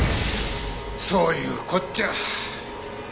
そういうこっちゃ。